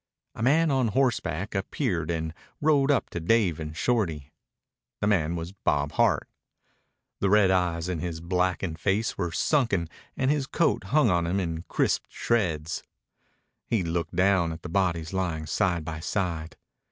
A man on horseback appeared and rode up to Dave and Shorty. The man was Bob Hart. The red eyes in his blackened face were sunken and his coat hung on him in crisped shreds. He looked down at the bodies lying side by side.